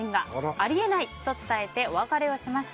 あり得ないと伝えてお別れをしました。